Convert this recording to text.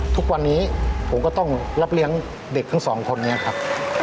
ทุกวันนี้ผมก็ต้องรับเลี้ยงเด็กทั้งสองคนนี้ครับ